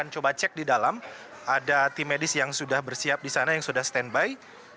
coba cek di dalam ada tim medis yang sudah bersiap di sana yang sudah standby